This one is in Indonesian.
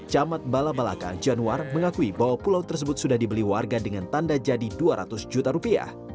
camat balabalaka januar mengakui bahwa pulau tersebut sudah dibeli warga dengan tanda jadi dua ratus juta rupiah